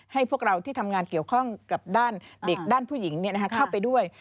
ให้พวกเราที่ทำงานเกี่ยวข้องกับด้านผู้หญิงเข้าไปด้วย